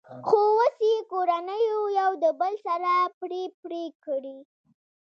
خو اوس یې کورنیو یو د بل سره پړی پرې کړی.